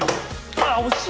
あっ惜しい！